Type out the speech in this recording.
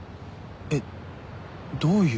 えっ？どういう。